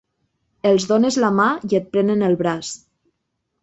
Els dónes la mà i et prenen el braç.